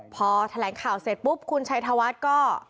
พอแถลงข่าวเสร็จปุ๊บคุณชัยธวัฒน์ก็